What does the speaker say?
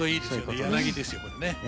柳ですよこれね。